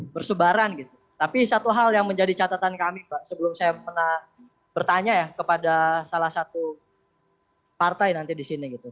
bersebaran gitu tapi satu hal yang menjadi catatan kami mbak sebelum saya pernah bertanya ya kepada salah satu partai nanti di sini gitu